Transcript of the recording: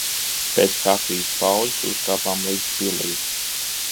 Pēc kafijas pauzes uzkāpām līdz pilij.